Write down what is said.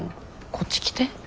こっち来て。